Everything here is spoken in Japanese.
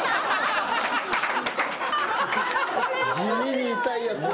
地味に痛いやつや。